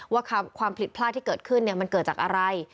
ว่าความผิดพลาดที่เกิดขึ้นมันเกิดจากอะไร